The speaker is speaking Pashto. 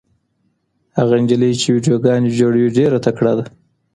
هغه نجلۍ چې ویډیوګانې جوړوي ډېره تکړه ده.